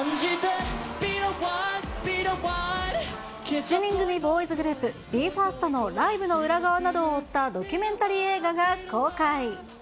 ７人組ボーイズグループ、ＢＥ：ＦＩＲＳＴのライブの裏側などを追ったドキュメンタリー映画が公開。